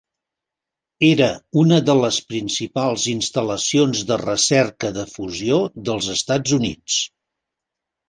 Era una de les principals instal·lacions de recerca de fusió dels Estats Units.